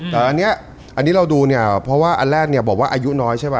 แต่อันนี้อันนี้เราดูเนี่ยเพราะว่าอันแรกเนี่ยบอกว่าอายุน้อยใช่ไหม